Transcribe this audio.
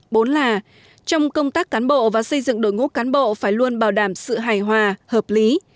bốn là trong công tác cán bộ và xây dựng đội ngũ cán bộ phải luôn bảo đảm sự hài hòa hợp lý